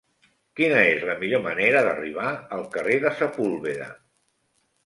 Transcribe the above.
Quina és la millor manera d'arribar al carrer de Sepúlveda?